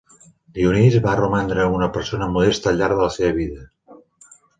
Dionís va romandre una persona modesta al llarg de la seva vida.